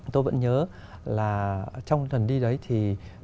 tôi vẫn nhớ là trong lần đi đấy thì